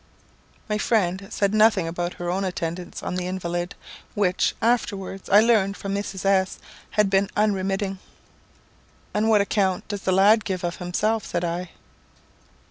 My friend said nothing about her own attendance on the invalid, which, I afterwards learned from Mrs. S had been unremitting. "And what account does the lad give of himself?" said I.